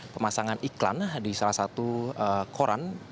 pemasangan iklan di salah satu koran